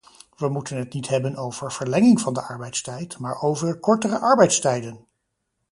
We moeten het niet hebben over verlenging van de arbeidstijd, maar over kortere arbeidstijden!